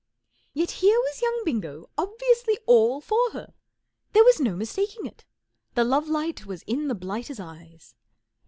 Vet here was young Bingo obviously all for her. There was no mistaking it. The love light was in the blighter's eyes.